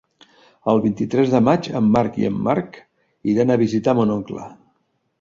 El vint-i-tres de maig en Marc i en Marc iran a visitar mon oncle.